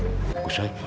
ustadz sudah belum